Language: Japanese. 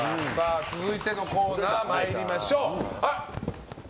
続いてのコーナー参りましょう。